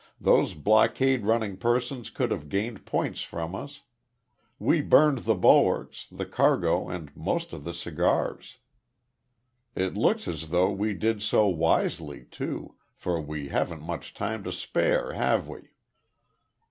Those blockade running persons could have gained points from us We burned the bulwarks, the cargo and most of my cigars. It looks as though we did so wisely, too; for we haven't much time to spare, have we?"